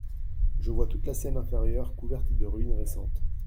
Je vois toute la Seine-Inférieure couverte de ruines récentes.